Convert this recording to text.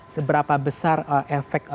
seberapa besar efek